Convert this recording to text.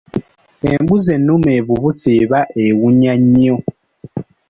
Embuzi ennume evubuse eba ewunya nnyo.